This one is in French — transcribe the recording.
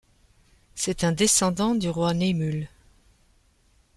C'est un descendant du roi Naemul.